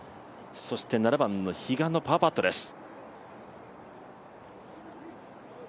そして７番の比嘉のパーパットです。